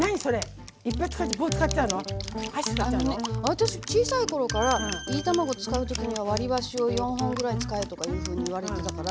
私小さい頃からいり卵作る時には割り箸を４本ぐらい使えとかいうふうに言われてたから。